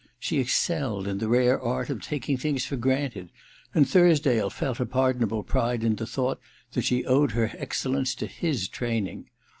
She excelled in the rare art of taking things for granted, and Thursdale felt a pardonable pride in the thought that she owed her excellence to his training.